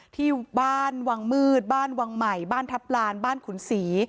ที่บ้านวังมืดบ้านวังใหม่บ้านทัพลานบ้านขุนศรี